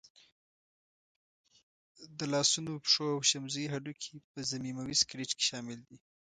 د لاسنونو، پښو او شمزۍ هډوکي په ضمیموي سکلېټ کې شامل دي.